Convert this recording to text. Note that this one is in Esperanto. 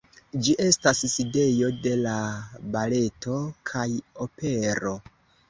Ĝi estas sidejo de la baleto kaj opero.